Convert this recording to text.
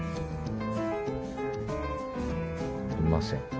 いません。